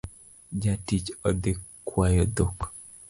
Jatich odhii kwayo dhok